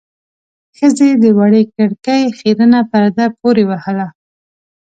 ښځې د وړې کړکۍ خيرنه پرده پورې وهله.